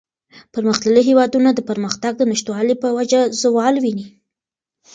پرمختللي هېوادونه د پرمختگ د نشتوالي په وجه زوال ویني.